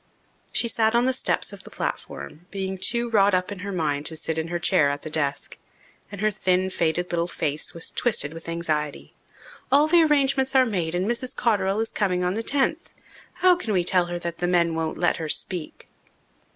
She sat on the steps of the platform, being too wrought up in her mind to sit in her chair at the desk, and her thin, faded little face was twisted with anxiety. "All the arrangements are made and Mrs. Cotterell is coming on the tenth. How can we tell her that the men won't let her speak?"